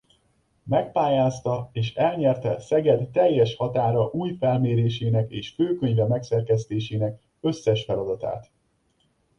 Megpályázta és elnyerte Szeged teljes határa új felmérésének és főkönyve megszerkesztésének összes feladatát.